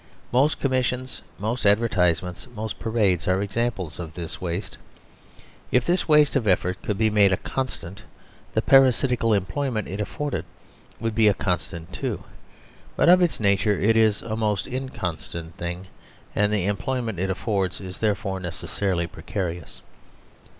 Most commissions, most advertisements, most parades, are examples of this waste. If this waste of effort could be made a constant, the parasitical employment it afforded would be a constant too. But of its nature it is a most inconstant thing, and the employment it affords is therefore necessarily precarious.